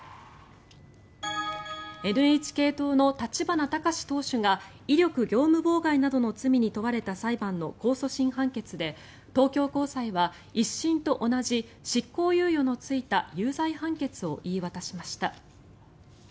ＮＨＫ党の立花孝志党首が威力業務妨害などの罪に問われた裁判の控訴審判決で東京高裁は１審と同じ執行猶予のついた有罪判決を言い渡しました。